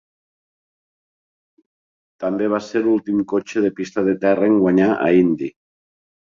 També va ser l'últim cotxe de pista de terra en guanyar a Indy.